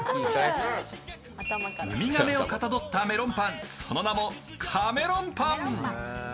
ウミガメをかたどったメロンパン、その名もカメロンパン。